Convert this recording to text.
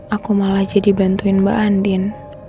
aku malah jadi bantuin mbak andin